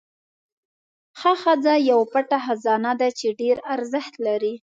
ښه ښځه یو پټ خزانه ده چې ډېره ارزښت لري.